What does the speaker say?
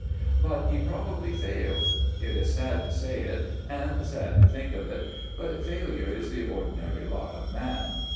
But he probably fails. It is sad to say it, and sad to think of it, but failure is the ordinary lot of man.